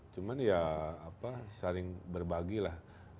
cuma ya apa sering berbagilah